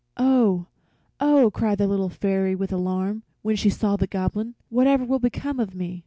"Oh, oh!" cried the Little Fairy, with alarm, when she saw the Goblin, "whatever will become of me?